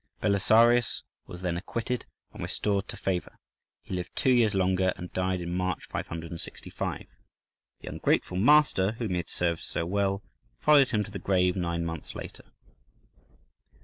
Belisarius was then acquitted and restored to favour: he lived two years longer, and died in March, 565.(14) The ungrateful master whom he had served so well followed him to the grave nine months later.